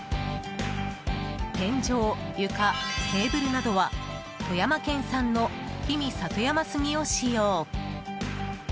天井、床、テーブルなどは富山県産のひみ里山杉を使用。